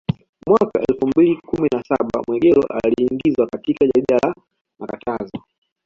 Mwaka elfu mbili na kumi na saba Mwegelo aliingizwa katika jarida la makatazo